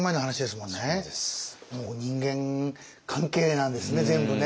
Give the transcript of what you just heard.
もう人間関係なんですね全部ね。